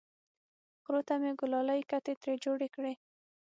خرو ته مې ګلالۍ کتې ترې جوړې کړې!